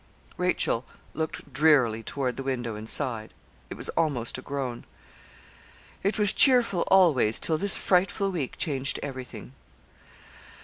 Rachel looked drearily toward the window and sighed it was almost a groan. 'It was cheerful always till this frightful week changed everything.